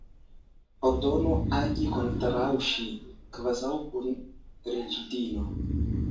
Ordono, agi kontraŭ ŝi, kvazaŭ kun reĝidino.